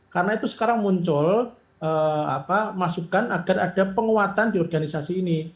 karena itu sekarang muncul masukan agar ada penguatan di organisasi ini